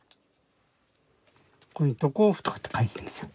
ここに「土工夫」とかって書いてるんですよ。